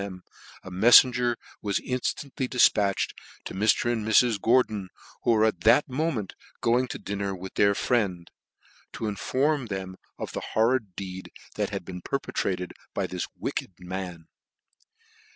n, a mefiengerwas inftantly difpatched to Mr. and Mrs. Gordon, who were at that moment going to dinner with their friend, to inform them of the horrid deed that had been perpetrated by this wicked man.